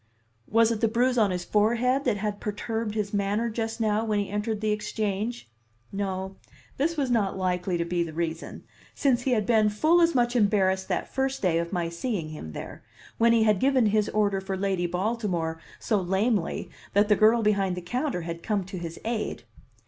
Was it the bruise on his forehead that had perturbed his manner just now when he entered the Exchange? No, this was not likely to be the reason, since he had been full as much embarrassed that first day of my seeing him there, when he had given his order for Lady Baltimore so lamely that the girl behind the counter had come to his aid.